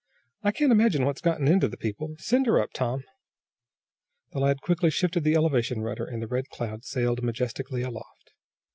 "I can't imagine what's gotten into the people. Send her up, Tom!" The lad quickly shifted the elevation rudder, and the Red Cloud sailed majestically aloft.